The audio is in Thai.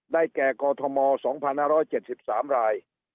ได้แก่กอทม๒๑๗๓ลาย